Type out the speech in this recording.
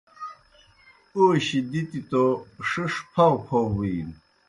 اوشیْ دِتیْ توْ ݜِݜ پھؤ پھؤ بِینوْ۔